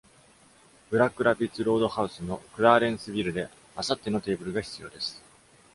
Black Rapids Roadhouse の Clarenceville で明後日のテーブルが必要です。